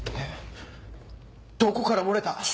どこから漏れた！？